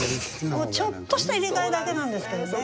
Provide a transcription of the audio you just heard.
ちょっとした入れ替えだけなんですけどね。